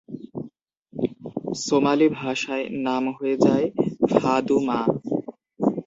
Somali ভাষায় নাম হয়ে যায় "ফাদুমা"।